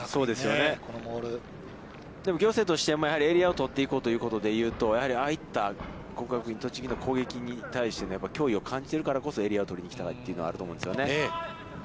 でも、仰星としてはエリアを取っていこうということで言うと、やはり、ああいった国学院栃木の攻撃に対しての脅威を感じているからこそエリアを取りに来たというのはあるんですね。